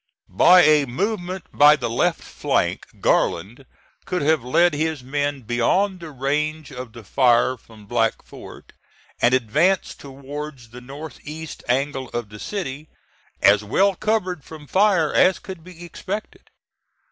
By a movement by the left flank Garland could have led his men beyond the range of the fire from Black Fort and advanced towards the northeast angle of the city, as well covered from fire as could be expected.